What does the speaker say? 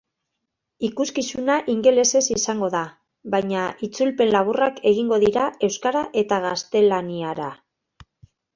Ikuskizuna ingelesez izango da, baina itzulpen laburrak egingo dira euskarara eta gaztelaniara.